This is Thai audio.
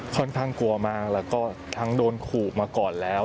ค่อนข้างกลัวมากแล้วก็ทั้งโดนขู่มาก่อนแล้ว